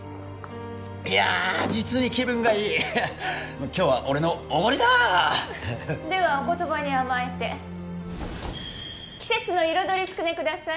いやあ実に気分がいい今日は俺のおごりだではお言葉に甘えて季節の彩りつくねください